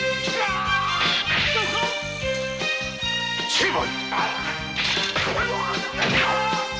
成敗！